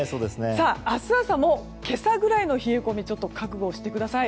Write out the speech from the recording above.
明日朝も今朝ぐらいの冷え込み覚悟してください。